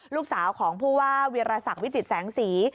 ลูกสาวของผู้ว่าวิรสักวิจิตแสงสี